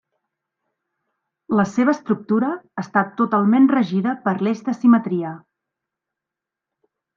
La seva estructura està totalment regida per l'eix de simetria.